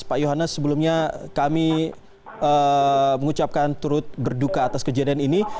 pak yohanes sebelumnya kami mengucapkan turut berduka atas kejadian ini